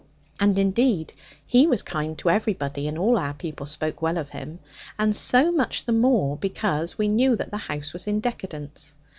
And indeed he was kind to everybody, and all our people spoke well of him; and so much the more because we knew that the house was in decadence.